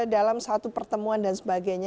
dalam satu pertemuan dan sebagainya